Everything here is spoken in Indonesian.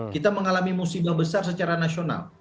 kita mengalami musibah besar secara nasional